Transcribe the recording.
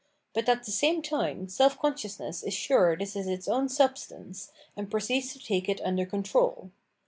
But at the same time self consciousness is sure this is its own substance, and proceeds to take it under control.